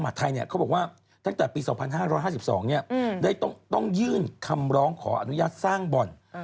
เขาบอกว่าตั้งแต่ปี๒๕๕๒ได้ต้องยื่นคำร้องขออนุญาตสร้างบ่อน